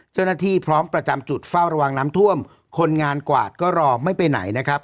เจ้าหน้าที่พร้อมประจำจุดเฝ้าระวังน้ำท่วมคนงานกวาดก็รอไม่ไปไหนนะครับ